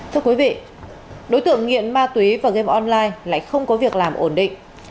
thưa quý vị đối tượng nghiện ma túy và game online lại không có việc làm ổn định